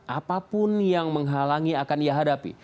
apapun yang menghalangi akan ia hadapi